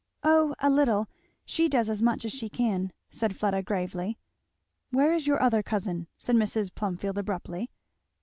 "O a little. She does as much as she can," said Fleda gravely. "Where is your other cousin?" said Mrs. Plumfield abruptly.